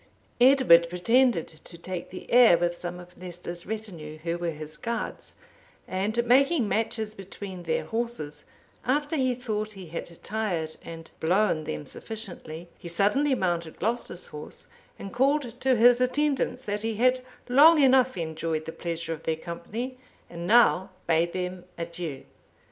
Edward pretended to take the air with some of Leicester's retinue, who were his guards; and making matches between their horses, after he thought he had tired and blown them sufficiently, he suddenly mounted Glocester's horse, and called to his attendants that he had long enough enjoyed the pleasure of their company, and now bade them adieu.